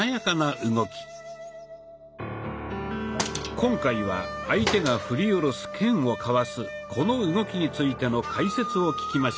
今回は相手が振り下ろす剣をかわすこの動きについての解説を聞きましょう。